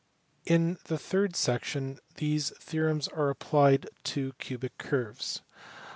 In the third section these theorems are applied to cubic curves.